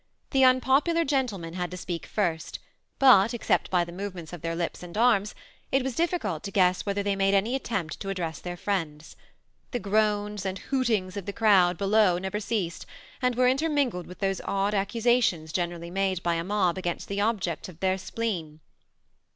The unpopular gendonen had to speak first, buf^ except by the movements of their lips and arms, it was difficult to guess whether they made any attempt to address their friends. The groans and hootings of the crowd below never ceased, and were intermingled with those odd accusations generally made by a mob against the ob jects of their spleen.